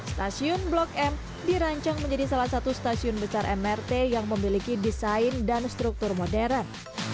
stasiun blok m dirancang menjadi salah satu stasiun besar mrt yang memiliki desain dan struktur modern